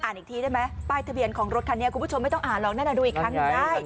อีกทีได้ไหมป้ายทะเบียนของรถคันนี้คุณผู้ชมไม่ต้องอ่านหรอกนั่นดูอีกครั้งหนึ่งได้